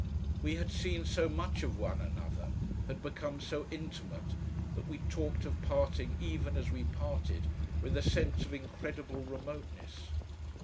We had seen so much of one another, had become so intimate, that we talked of parting even as we parted with a sense of incredible remoteness.